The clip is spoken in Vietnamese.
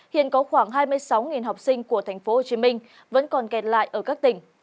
hai mươi sáu học sinh của tp hcm vẫn còn kẹt lại ở các tỉnh